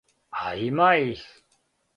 А има их.